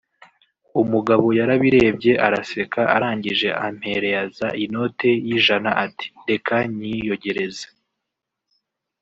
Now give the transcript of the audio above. umugabo yarabirebye araseka arangije ampereaza inote y’ijana ati reka nyiyogereze